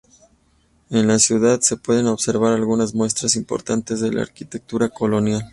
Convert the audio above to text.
En la ciudad se pueden observar algunas muestras importantes de la arquitectura colonial.